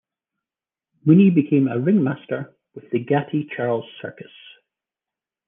Mooney became a ringmaster with the Gatti-Charles Circus.